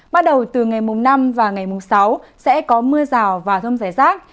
bắt đầu từ ngày mùng năm và ngày mùng sáu sẽ có mưa rào và thông giải giác